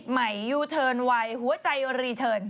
๒๐ใหม่ยูเทินวัยหัวใจรีเทิน